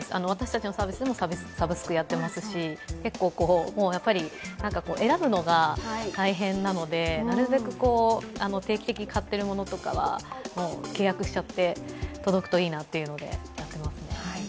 私たちのサービスもサブスクやっていますし、結構、選ぶのが大変なのでなるべく定期的に買っているものとかは契約しちゃって届くといいなというので、やってますね。